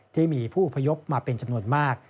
ที่มีผู้อพยพมาเป็นจำนวนมาก